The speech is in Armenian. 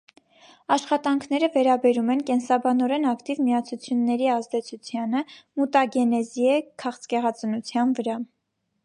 Աշխատանքները վերաբերում են կենսաբանորեն ակտիվ միացությունների ազդեցությանը մուտագենեզի է քաղցկեղածնության վրա։